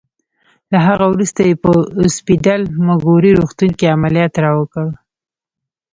له هغه وروسته یې په اوسپیډل مګوري روغتون کې عملیات راوکړل.